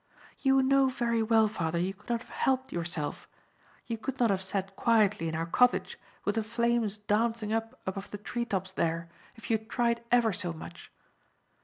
"You know very well, father, you could not have helped yourself. You could not have sat quietly in our cottage with the flames dancing up above the tree tops there, if you had tried ever so much.